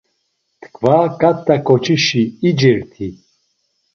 Tkva ǩat̆a ǩoçişi icerti?